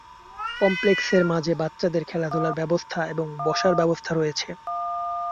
কমপ্লেক্সের মাঝে বাচ্চাদের খেলাধুলার ব্যবস্থা এবং বসার ব্যবস্থা রয়েছে।